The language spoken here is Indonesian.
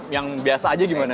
yang biasa aja gimana